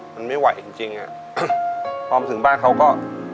มันไม่ไหวจริงพร้อมถึงบ้านเขาก็